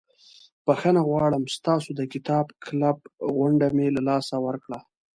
بخښنه غواړم ستاسو د کتاب کلب غونډه مې له لاسه ورکړه.